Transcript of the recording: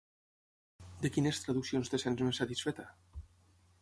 De quines traduccions et sents més satisfeta?